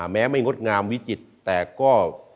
แม้ไม่งดงามวิจิตรแต่ก็